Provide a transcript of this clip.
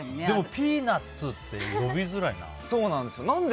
でも、ピーナツって呼びづらいな。